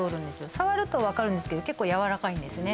触ると分かるんですけど結構やわらかいんですね